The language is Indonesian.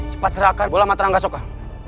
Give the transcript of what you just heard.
cepat serahkan bola mata rangga soka